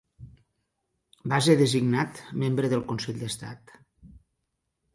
Va ser designat membre del Consell d'Estat.